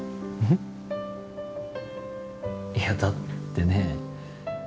いやだってね。